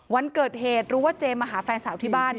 วันเกิดเหตุรู้ว่าเจมาหาแฟนสาวที่บ้าน